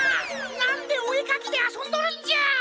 なんでおえかきであそんどるんじゃ！